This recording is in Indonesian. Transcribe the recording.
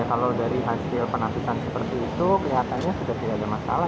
kalau dari hasil penapisan seperti itu kelihatannya sudah tidak ada masalah